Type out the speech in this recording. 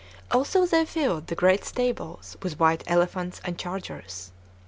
Also they filled the great stables with white elephants and chargers.